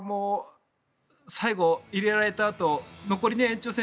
最後、入れられたあと残り延長戦